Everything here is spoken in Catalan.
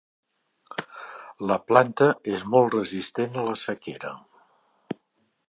La planta és molt resistent a la sequera.